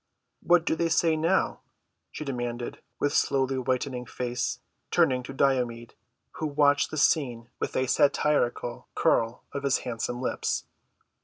"What do they say now?" she demanded with slowly‐whitening face, turning to Diomed, who watched the scene with a satirical curl of his handsome lips.